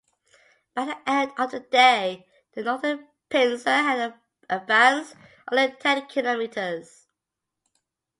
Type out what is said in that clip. By the end of the day, the northern pincer had advanced only ten kilometres.